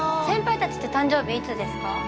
先輩たちって誕生日いつですか？